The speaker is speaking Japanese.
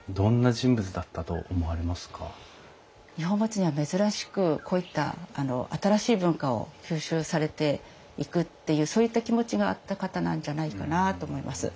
二本松には珍しくこういった新しい文化を吸収されていくっていうそういった気持ちがあった方なんじゃないかなと思います。